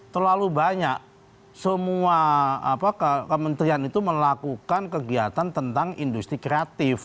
terlalu banyak semua kementerian itu melakukan kegiatan tentang industri kreatif